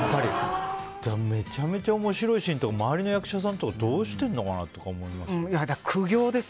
めちゃめちゃ面白いシーンとか周りの役者さんとかどうしてるのかなと思います。